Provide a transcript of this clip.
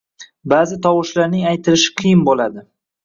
Baʼzi tovushlarning aytilishi qiyin boʻladi